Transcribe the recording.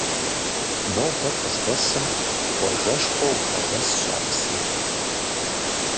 Нобэр къыздэсым къуажэшхуэу бгъэдэсщ а псым.